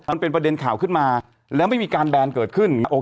มันเป็นประเด็นข่าวขึ้นมาแล้วไม่มีการแบนเกิดขึ้น